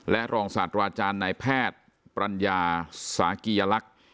และรองสาธาราจารย์ในแพดปรัญญาสากียลักษณ์